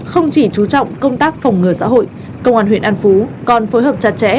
không chỉ chú trọng công tác phòng ngừa xã hội công an huyện an phú còn phối hợp chặt chẽ